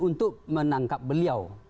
untuk menangkap beliau